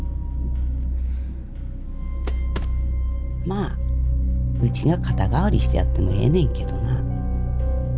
まあうちが肩代わりしてやってもええねんけどな。